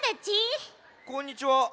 こんにちは。